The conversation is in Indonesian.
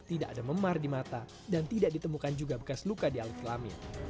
tidak ada memar di mata dan tidak ditemukan juga bekas luka di alut kelamin